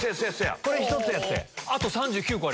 これ１つやってん。